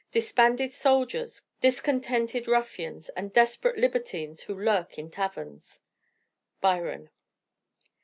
Disbanded soldiers, discontented ruffians And desperate libertines who lurk in taverns." BYRON.